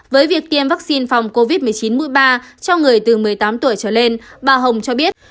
với việc tiêm vaccine phòng covid một mươi chín mũi ba cho người từ một mươi tám tuổi trở lên bà hồng cho biết